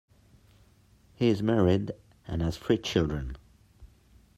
He is married and has three children.